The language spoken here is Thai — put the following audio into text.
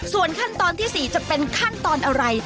ส่วนขั้นตอนที่๔จะเป็นขั้นตอนอะไร